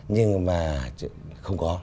nhưng mà không có